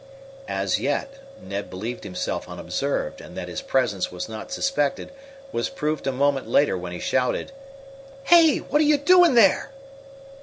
As yet, Ned believed himself unobserved, and that his presence was not suspected was proved a moment later when he shouted: "Hey! What are you doing there?"